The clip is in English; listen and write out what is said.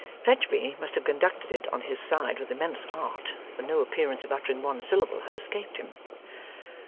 Fledgeby must have conducted it on his side with immense art, for no appearance of uttering one syllable had escaped him.